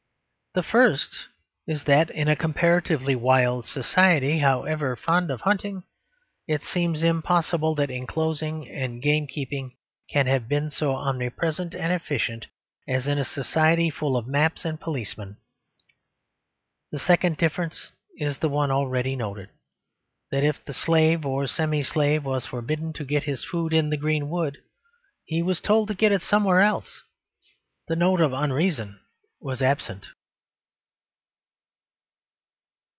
The first is that in a comparatively wild society, however fond of hunting, it seems impossible that enclosing and game keeping can have been so omnipresent and efficient as in a society full of maps and policemen. The second difference is the one already noted: that if the slave or semi slave was forbidden to get his food in the greenwood, he was told to get it somewhere else. The note of unreason was absent.